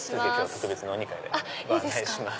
特別にお２階ご案内します。